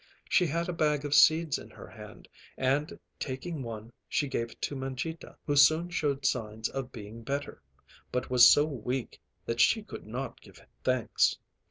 She had a bag of seeds in her hand, and taking one she gave it to Mangita, who soon showed signs of being better, but was so weak that she could not give thanks.